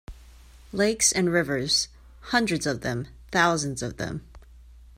Lakes and rivers, hundreds of them, thousands of them.